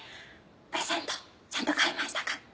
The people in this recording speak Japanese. プレゼントちゃんと買いましたか？